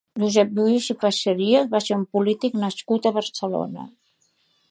Josep Lluís i Facerias va ser un polític nascut a Barcelona.